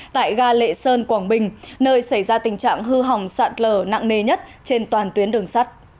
tại ga lệ sơn quảng bình nơi xảy ra tình trạng hư hỏng sạt lở nặng nề nhất trên toàn tuyến đường sắt